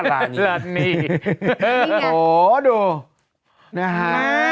เบลล่าเบลล่า